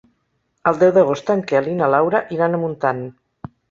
El deu d'agost en Quel i na Laura iran a Montant.